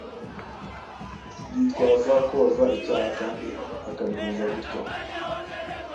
Yitwaza koza icyaha, kandi akabihuza bityo